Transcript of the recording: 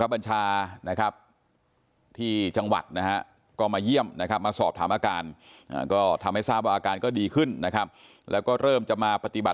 สร้อยปายเปิดก็ส่อมเรียบร้อยหมดและ